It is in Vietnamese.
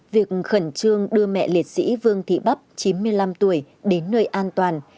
việc khẩn trương đưa mẹ liệt sĩ vương thị bắp chín mươi năm tuổi đến nơi an toàn